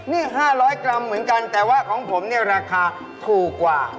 นี่๕๐๐กรัมเหมือนกันแต่ว่าของผมเนี่ยราคาถูกกว่า